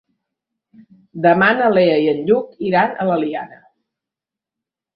Demà na Lea i en Lluc iran a l'Eliana.